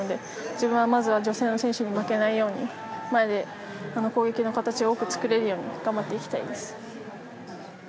自分はまずは女性の選手に負けないように前で攻撃の形を多く作れるように頑張っていきたいです。